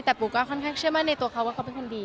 แต่ปูก็ค่อนข้างเชื่อมั่นในตัวเขาว่าเขาเป็นคนดี